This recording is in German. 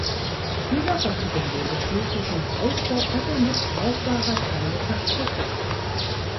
Dieser Wagen wurde schließlich nach Ausbau aller noch brauchbarer Teile verschrottet.